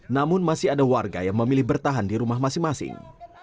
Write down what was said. namun masih ada warga yang memilih bertahan di rumah masing masing